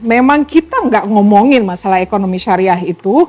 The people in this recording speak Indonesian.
memang kita nggak ngomongin masalah ekonomi syariah itu